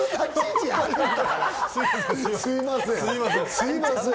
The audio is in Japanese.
すいません。